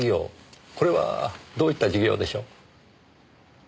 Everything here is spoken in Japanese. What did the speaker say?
これはどういった事業でしょう？